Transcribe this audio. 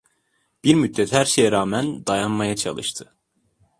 Bir müddet her şeye rağmen dayanmaya çalıştı.